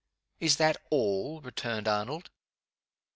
"Is that all?" returned Arnold.